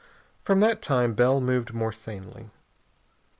From that time Bell moved more sanely.